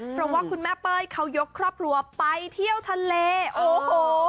เพราะว่าคุณแม่เป้ยเขายกครอบครัวไปเที่ยวทะเลโอ้โห